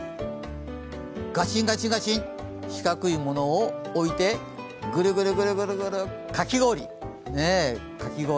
ガシンガシンガシン、四角いものを置いてぐるぐるぐるかき氷！